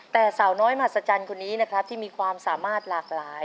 แต่สาวน้อยมหัศจรรย์คนนี้นะครับที่มีความสามารถหลากหลาย